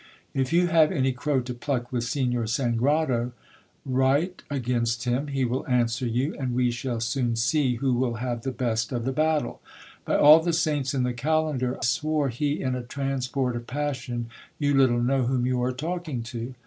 If you have any crow to pluck with Signor Sangrado, write against him, he will answer you, and we shall soon see who will have the best of the battle. By all the saints in the calendar ! swore he, in a transport of passion, you little know whom you are talking to.